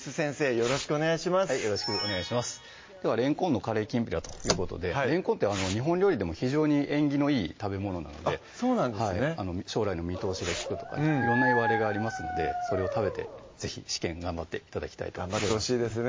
よろしくお願いしますでは「れんこんのカレーきんぴら」ということでれんこんって日本料理でも非常に縁起のいい食べ物なので将来の見通しが利くとか色んないわれがありますのでそれを食べて是非試験頑張って頂きたいと頑張ってほしいですね